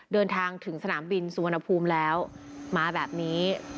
เดินทางถึงสนามบินสุวรรณภูมิแล้วมาแบบนี้